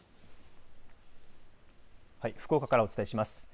福岡からお伝えします。